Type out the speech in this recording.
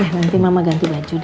ya nanti mama ganti baju deh